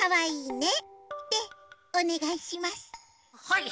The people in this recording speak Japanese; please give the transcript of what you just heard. はい。